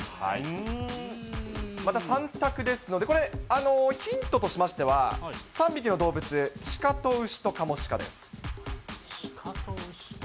また３択ですので、これ、ヒントとしましては、３匹の動物、シカと牛とカモシカです。